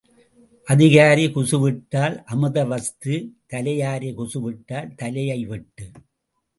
அதிகாரி குசு விட்டால் அமிர்த வஸ்து தலையாரி குசு விட்டால் தலையை வெட்டு.